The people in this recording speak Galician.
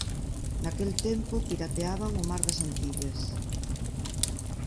Naquel tempo pirateaban o mar das Antillas.